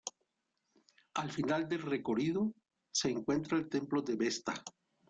Al final del recorrido se encuentra el templo de Vesta